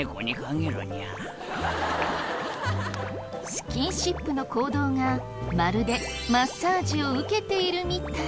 スキンシップの行動がまるでマッサージを受けているみたい。